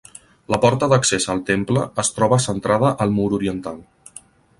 La porta d'accés al temple es troba centrada al mur oriental.